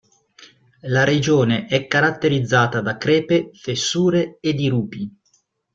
La regione è caratterizzata da crepe, fessure e dirupi.